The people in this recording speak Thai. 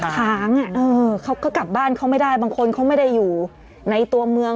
ค้างเขาก็กลับบ้านเขาไม่ได้บางคนเขาไม่ได้อยู่ในตัวเมือง